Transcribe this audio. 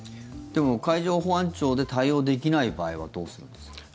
でも、海上保安庁で対応できない場合はどうするんですか？